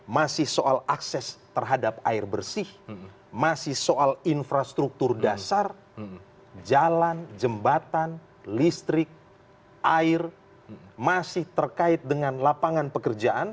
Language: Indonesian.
masih soal akses terhadap air bersih masih soal infrastruktur dasar jalan jembatan listrik air masih terkait dengan lapangan pekerjaan